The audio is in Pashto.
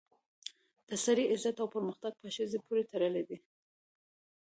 د سړي عزت او پرمختګ په ښځې پورې تړلی دی